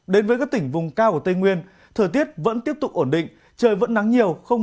đến với các tỉnh vùng cao của tây nguyên thời tiết vẫn tiếp tục ổn định trời vẫn nắng nhiều